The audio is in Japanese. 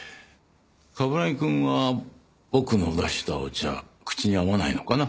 冠城くんは僕の出したお茶口に合わないのかな？